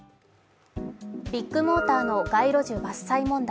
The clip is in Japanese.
ビッグモーターの街路樹伐採問題。